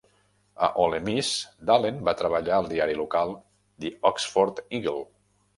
A Ole Miss, Dallen va treballar al diari local, The Oxford Eagle.